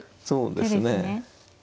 そうですね。